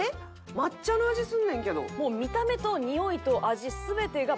抹茶の味すんねんけど。